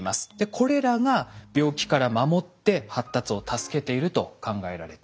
これらが病気から守って発達を助けていると考えられています。